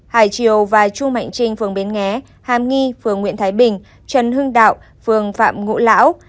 hải triều và chu mạnh trinh phường bến nghé hàm nghi phường nguyễn thái bình trần hưng đạo phường phạm ngũ lão